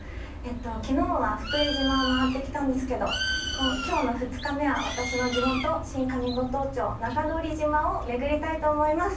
昨日は福江島を回ってきたんですけど今日の２日目は私の地元新上五島町中通島を巡りたいと思います。